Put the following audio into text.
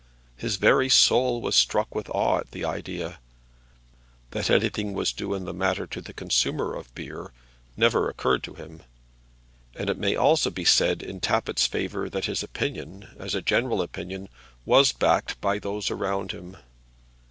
His very soul was struck with awe at the idea. That anything was due in the matter to the consumer of beer, never occurred to him. And it may also be said in Tappitt's favour that his opinion, as a general opinion, was backed by those around him.